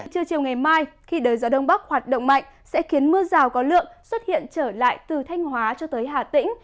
trưa chiều ngày mai khi đời gió đông bắc hoạt động mạnh sẽ khiến mưa rào có lượng xuất hiện trở lại từ thanh hóa cho tới hà tĩnh